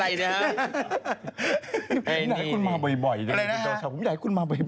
ไอ้นี่ไหนคุณมาบ่อยเห็นจริงออกชาวนี้หรอผมอยากให้คุณมาบ่อย